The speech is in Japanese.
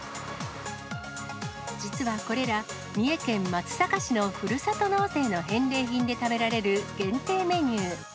実はこれら、三重県松阪市のふるさと納税の返礼品で食べられる限定メニュー。